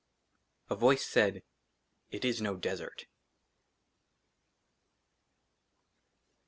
A VOICE SAID, IT IS NO DESERT."